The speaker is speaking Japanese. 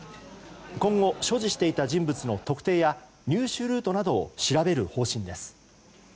今後、所持していた人物の特定や入手ルートなどを調べる方針です。